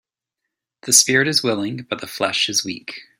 The spirit is willing but the flesh is weak.